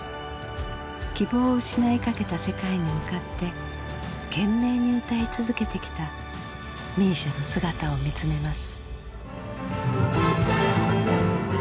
希望を失いかけた世界に向かって懸命に歌い続けてきたＭＩＳＩＡの姿を見つめます。